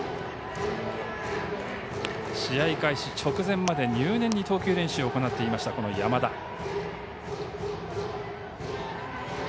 試合開始直前まで入念に投球練習を行っていました山田。